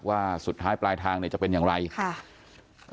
ว่าสุดท้ายปลายทางเนี่ยจะเป็นอย่างไรค่ะ